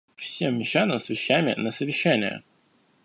Всем мещанам с вещами на совещание